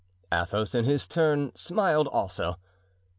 Athos, in his turn, smiled also.